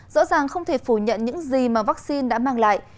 rõ ràng không thể phủ nhận những gì mà vắc xin đã mang lại